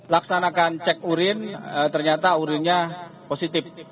laksanakan cek urin ternyata urinnya positif